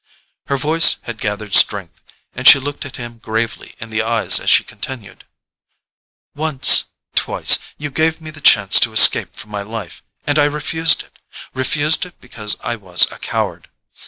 Her voice had gathered strength, and she looked him gravely in the eyes as she continued. "Once—twice—you gave me the chance to escape from my life, and I refused it: refused it because I was a coward.